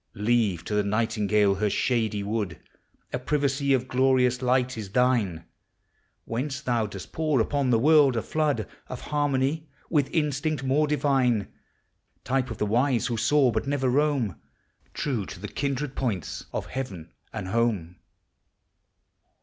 Leave to the nightingale her shady wood ; A privacy of glorious light is thine, Whence thou dost pour upon the world a flood Of harmony, with instinct more divine; ANIMATE NATURE. 2ftJ Type of the wise, who soar, but never roam, — True to the kindred points of Heaven and Home!